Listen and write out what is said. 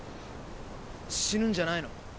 死ぬんじゃないの？